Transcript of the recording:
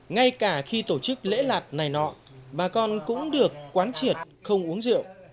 ngay cả khi tổ chức lễ lạc này nọ bà con cũng được quán triệt không uống diệu